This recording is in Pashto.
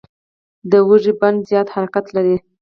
د اوږې بند زیات حرکت لري.